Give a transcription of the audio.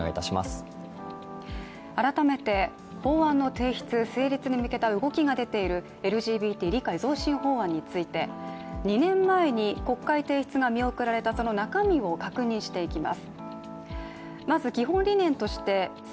改めて法案の提出・成立に向けた動きが出ているＬＧＢＴ理解増進法案について、２年前に国会提出が見送られたその中身を確認していきます。